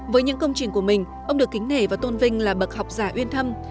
với những công trình của mình ông được kính nể và tôn vinh là bậc học giả uyên thâm